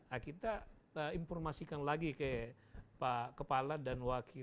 nah kita informasikan lagi ke pak kepala dan wakil